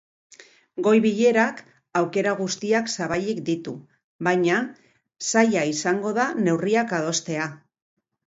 Goi-bilerak aukera guztiak zabalik ditu, baina zaila izango da neurriak adostea.